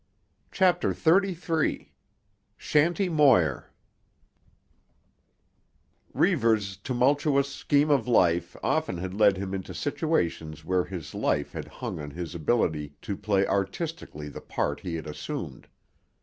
CHAPTER XXXIII—SHANTY MOIR Reivers' tumultuous scheme of life often had led him into situations where his life had hung on his ability to play artistically the part he had assumed.